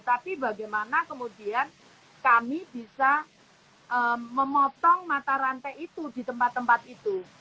tapi bagaimana kemudian kami bisa memotong mata rantai itu di tempat tempat itu